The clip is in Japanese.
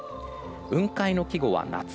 雲海の規模は夏。